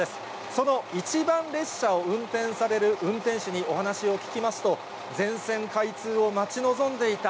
その一番列車を運転される運転士にお話を聞きますと、全線開通を待ち望んでいた。